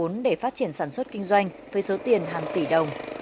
vốn để phát triển sản xuất kinh doanh với số tiền hàng tỷ đồng